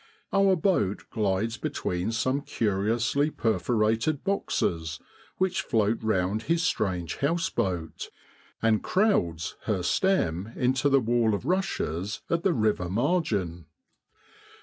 Our boat glides between some curiously perforated boxes, which float round his strange houseboat, and ' crowds ' her stem into the wall of rushes at the river margin.